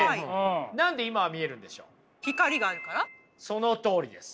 そのとおりです。